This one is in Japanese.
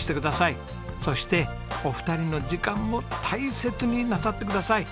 そしてお二人の時間も大切になさってください。